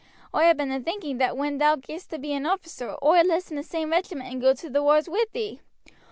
Oi ha' been a thinking that when thou get'st to be an officer oi'll list in the same regiment and go to the wars wi' thee.